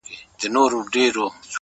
بيا د تورو سترګو و بلا ته مخامخ يمه،